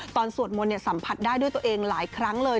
สวดมนต์สัมผัสได้ด้วยตัวเองหลายครั้งเลย